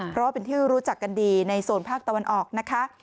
เพราะว่าเป็นที่รู้จักกันดีในโซนภาคตะวันออกนะคะ